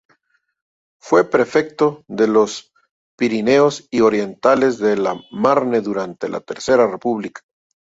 Fue prefecto de los Pirineos Orientales y del Marne durante la Tercera República.